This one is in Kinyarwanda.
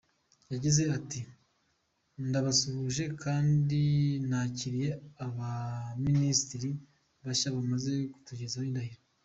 Yagize ati “Ndabasuhuje kandi nakiriye abaminisitiri bashya bamaze kutugezaho indahiro.